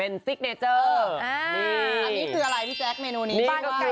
นี่คืออะไรพี่แจ๊กเมนูนี้